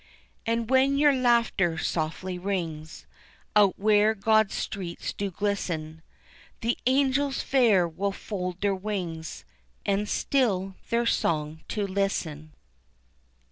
And when your laughter softly rings Out where God's streets do glisten, The angels fair will fold their wings And still their song to listen.